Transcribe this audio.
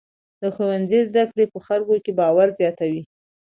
د ښوونځي زده کړې په خلکو کې باور زیاتوي.